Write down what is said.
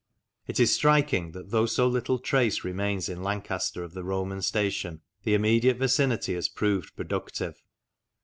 It is striking that though so little trace remains in Lancaster of the Roman station, the immediate vicinity has proved productive.